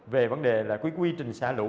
về vấn đề là cái quy trình xã lũ